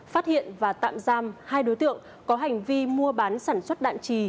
phát hiện và tạm giam hai đối tượng có hành vi mua bán sản xuất đạn trì